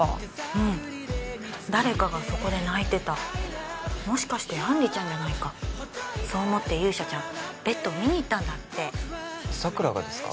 うん誰かがそこで泣いてたもしかして杏里ちゃんじゃないかそう思って勇者ちゃんベッドを見にいったんだって佐倉がですか？